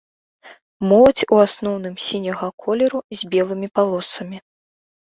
Моладзь у асноўным сіняга колеру з белымі палосамі.